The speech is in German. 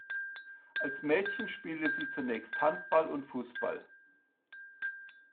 Als Mädchen spielte sie zunächst Handball und Fußball.